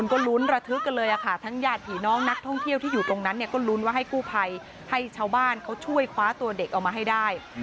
กูภัยให้ชาวบ้านช่วยคว้าตัวเด็กออกมาให้ได้